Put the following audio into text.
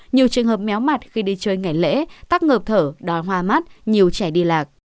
nhiều trường hợp méo mặt khi đi chơi ngày lễ tắc ngợp thở đòi hoa mát nhiều trẻ đi lạc